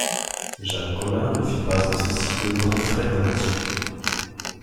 Jacques Collin ne fit pas en ceci de grands frais d’invention.